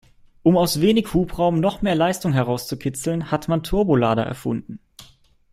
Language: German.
Um aus wenig Hubraum noch mehr Leistung herauszukitzeln, hat man Turbolader erfunden.